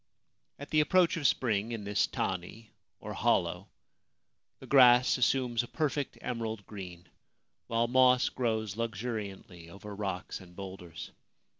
At the approach of spring in this tani2 the grass assumes a perfect emerald green, while moss grows luxuriantly over rocks and boulders.